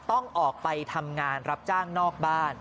ต้องออกไปทำงานรับจ้างนอกบ้าน